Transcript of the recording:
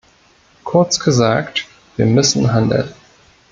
Kurz gesagt, wir müssen handeln.